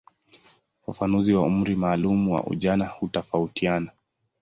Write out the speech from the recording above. Ufafanuzi wa umri maalumu wa ujana hutofautiana.